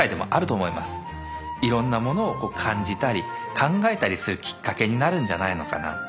いろんなものを感じたり考えたりするきっかけになるんじゃないのかな